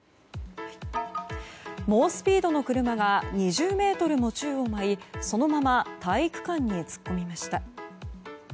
猛スピードの車が２０ｍも宙を舞いそのまま体育館に突っ込みました。